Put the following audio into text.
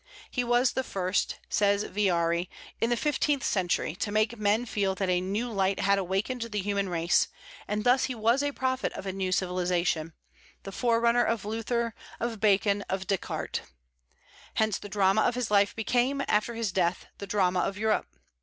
"He was the first," says Villari, "in the fifteenth century, to make men feel that a new light had awakened the human race; and thus he was a prophet of a new civilization, the forerunner of Luther, of Bacon, of Descartes. Hence the drama of his life became, after his death, the drama of Europe.